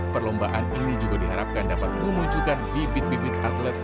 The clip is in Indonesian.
perlombaan ini juga diharapkan dapat memunculkan bibit bibit atlet